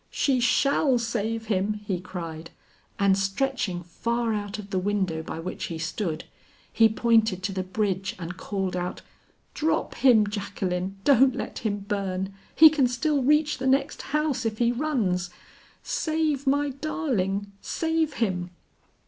"She shall save him," he cried, and stretching far out of the window by which he stood, he pointed to the bridge and called out, "Drop him, Jacqueline, don't let him burn. He can still reach the next house if he runs. Save my darling, save him."